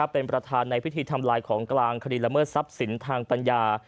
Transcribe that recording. เป็นประธานในพิธีทำลายของกลางคดีละเมิดทรัพย์สินทางปัญญา